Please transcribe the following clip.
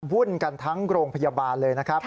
วุ่นกันทั้งโรงพยาบาลเลยนะครับ